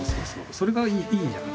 それがいいじゃん。